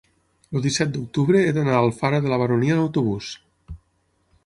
El disset d'octubre he d'anar a Alfara de la Baronia amb autobús.